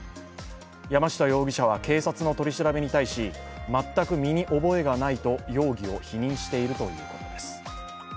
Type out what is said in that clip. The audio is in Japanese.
山下容疑者は警察の取り調べに対し、全く身に覚えがないと容疑を否認しています。